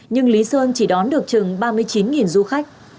nhưng lý sơn chỉ đón được chừng ba mươi chín du khách